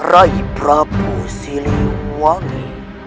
raih prabu siliwangi